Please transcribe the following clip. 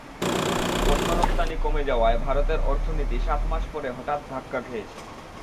পণ্য রপ্তানি কমে যাওয়ায় ভারতের অর্থনীতি সাত মাস পরে হঠাৎ করে ধাক্কা খেয়েছে।